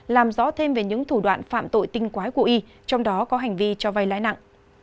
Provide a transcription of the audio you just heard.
làm rõ thêm về những thủ đoạn phạm tội tinh quái của y trong đó có hành vi cho vay lãi nặng